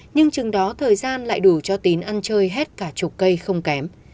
nhưng chừng đó thời gian lại đủ cho tín ăn chơi hết cả chục cây không kém